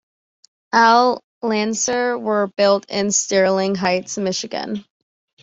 All Lancers were built in Sterling Heights, Michigan.